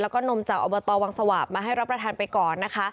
แล้วก็นมจ่าวอุปกรณ์ตอบงสวัสดิ์มาให้รับประทานไปก่อน